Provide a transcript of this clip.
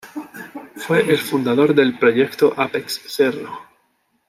Fue el fundador del "Proyecto Apex-Cerro".